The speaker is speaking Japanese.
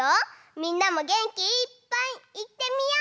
みんなもげんきいっぱいいってみよう！